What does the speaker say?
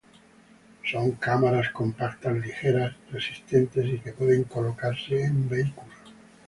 Son cámaras compactas, ligeras, resistentes y que pueden colocarse en vehículos.